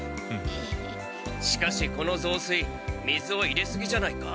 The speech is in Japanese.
しかしこのぞうすい水を入れすぎじゃないか？